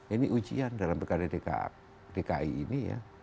ini ujian dalam pilkada dki ini ya